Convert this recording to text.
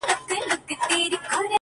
تـلاوت دي د ښايستو شعرو كومه؛